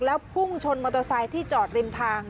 แล้วพุ่งชนมอเตอร์ไซค์ที่จอดริมทาง